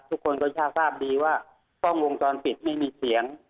ทุกคนก็ทราบดีว่ากล้องวงจรปิดไม่มีเสียง